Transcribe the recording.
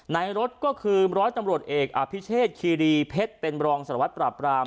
ในรถก็คือร้อยตำรวจเอกอภิเชษคีรีเพชรเป็นรองสารวัตรปราบราม